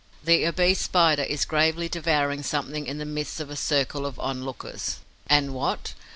The obese Spider is gravely devouring something in the midst of a circle of onlookers. And what?